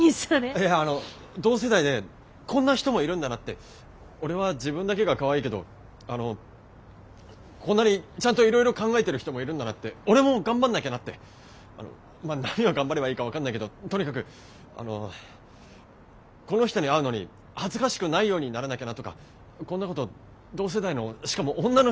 いやあの同世代でこんな人もいるんだなって俺は自分だけがかわいいけどあのこんなにちゃんといろいろ考えてる人もいるんだなって俺も頑張んなきゃなってまあ何を頑張ればいいか分かんないけどとにかくこの人に会うのに恥ずかしくないようにならなきゃなとかこんなこと同世代のしかも女の人に思うの初めてでさ。